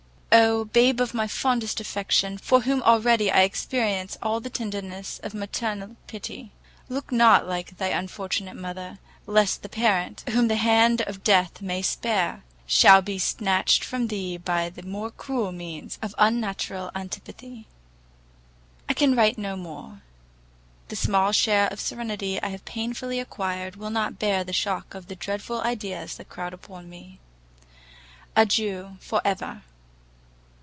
Oh, babe of my fondest affection! for whom already I experience all the tenderness of maternal pity! look not like thy unfortunate mother, lest the parent, whom the hand of death may spare, shall be snatched from thee by the more cruel means of unnatural antipathy! I can write no more. The small share of serenity I have painfully acquired, will not bear the shock of the dreadful ideas that crowd upon me. Adieu, for ever!